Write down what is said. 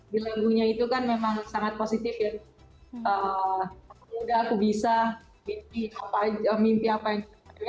di lagunya itu kan memang sangat positif ya udah aku bisa mimpi apa aja mimpi apa yang